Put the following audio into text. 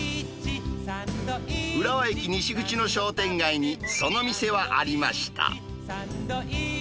浦和駅西口の商店街に、その店はありました。